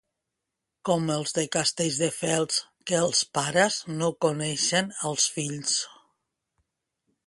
Com els de Castelldefels, que els pares no coneixen els fills.